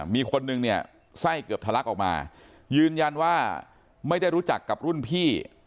มีคนนึงเนี่ยไส้เกือบทะลักออกมายืนยันว่าไม่ได้รู้จักกับรุ่นพี่